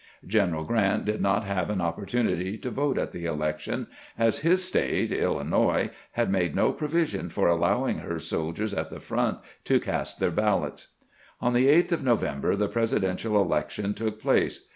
General Grant did not 324 CAMPAIGNING WITH GEANT have an opportunity to vote at the election, as his State (Illinois) had made no provision for allowing her soldiers at the front to east their ballots. On the 8th of November the Presidential election took place.